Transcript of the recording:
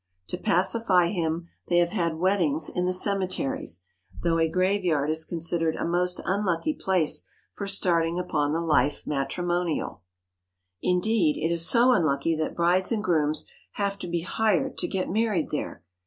To pacify Him they have had weddings in the cemeteries, though a graveyard is considered a most unlucky place for starting upon the life matrimonial. Indeed, it so unlucky that brides and grooms have to be hired to get married there.